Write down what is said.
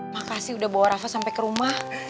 makasih udah bawa rafa sampai ke rumah